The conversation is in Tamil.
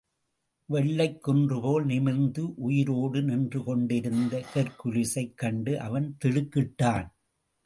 வெள்ளைக்குன்று போல் நிமிர்ந்து உயிரோடு நின்றுகொண்டிருந்த ஹெர்க்குலிஸைக் கண்டு, அவன் திடுக்கிட்டான்.